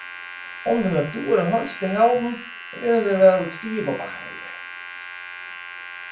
Om de natoer in hantsje te helpen rinne der wer skiep op de heide.